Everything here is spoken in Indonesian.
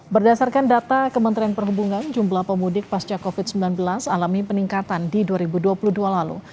berdasarkan data kementerian perhubungan jumlah pemudik pasca covid sembilan belas alami peningkatan di dua ribu dua puluh dua lalu